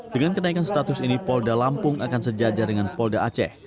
dengan kenaikan status ini polda lampung akan sejajar dengan polda aceh